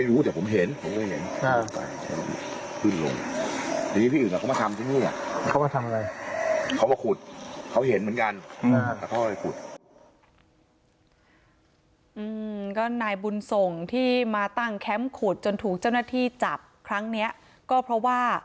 นายบุญส่งที่มาตั้งแคมป์ขุดจนถูกเจ้าหน้าที่จับครั้งนี้ก็เพราะว่า